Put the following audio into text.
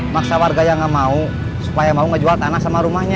maksa warga yang nggak mau supaya mau ngejual tanah sama rumahnya